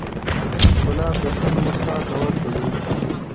ګلاب د شونډو موسکا ته ورته دی.